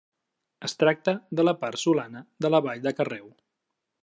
Es tracta de la part solana de la vall de Carreu.